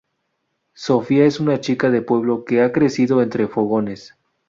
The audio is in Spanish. Sofía es una chica de pueblo que ha crecido entre fogones.